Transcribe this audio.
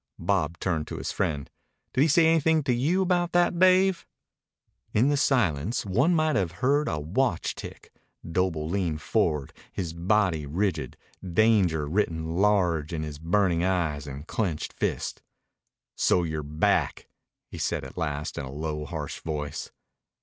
Bob turned to his friend. "Did he say anything to you about that, Dave?" In the silence one might have heard a watch tick, Doble leaned forward, his body rigid, danger written large in his burning eyes and clenched fist. "So you're back," he said at last in a low, harsh voice.